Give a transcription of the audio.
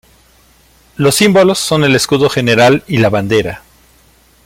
Los símbolos son el Escudo general y la bandera.